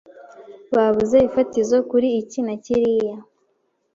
babuze ifatizo kuri iki na kiriya